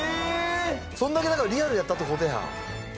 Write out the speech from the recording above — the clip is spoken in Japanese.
そんだけだからリアルやったってことやん。